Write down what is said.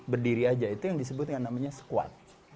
berdiri aja itu yang disebut dengan namanya squat